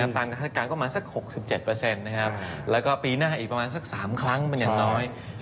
การคาดการณก็มาสัก๖๗นะครับแล้วก็ปีหน้าอีกประมาณสัก๓ครั้งเป็นอย่างน้อย